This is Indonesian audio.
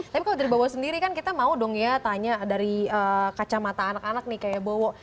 tapi kalau dari bowo sendiri kan kita mau dong ya tanya dari kacamata anak anak nih kayak bowo